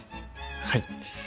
はい。